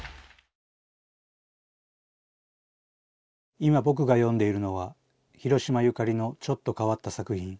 今僕が読んでいるのは広島ゆかりのちょっと変わった作品。